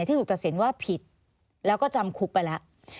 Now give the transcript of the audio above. ที่ถูกตัดสินว่าผิดแล้วก็จำคุกไปแล้ว